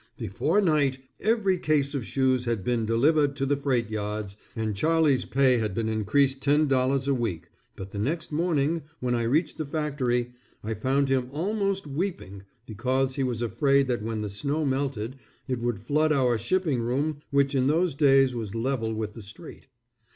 Before night, every case of shoes had been delivered to the freight yards, and Charlie's pay had been increased $10 a week, but the next morning when I reached the factory, I found him almost weeping because he was afraid that when the snow melted it would flood our shipping room which in those days was level with the street.